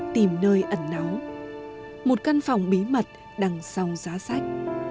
tìm nơi ẩn náu một căn phòng bí mật đằng sau giá sách